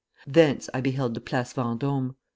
Thence I beheld the Place Vendôme.